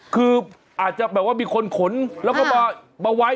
คืออาจจะแบบว่ามีคนขนแล้วก็มาไว้